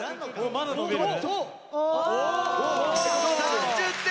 ３０点！